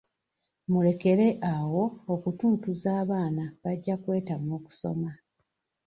Mulekere awo okutuntuza abaana bajja kwetamwa okusoma.